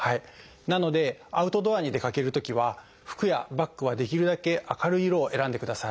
なのでアウトドアに出かけるときは服やバッグはできるだけ明るい色を選んでください。